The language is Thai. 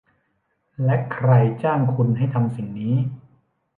และใครจ้างคุณให้ทำสิ่งนี้